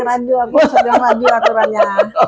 aku sedang lagi aturannya